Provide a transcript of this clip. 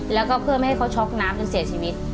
แล้วก็เพื่อไม่ให้เขาช็อกน้ำจนเสียชีวิต